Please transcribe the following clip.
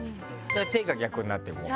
手が逆になってこう。